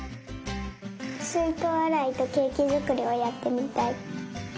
すいとうあらいとケーキづくりをやってみたい。